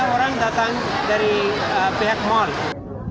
lima orang datang dari pihak mall